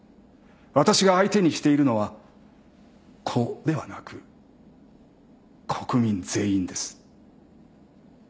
私が相手にしているのは個ではなく国民全員です。